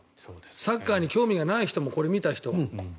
サッカーに興味がない人もこれを見た人